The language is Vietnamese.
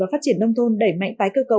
và phát triển nông thôn đẩy mạnh tái cơ cấu